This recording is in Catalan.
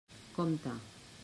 Compte.